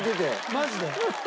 マジで。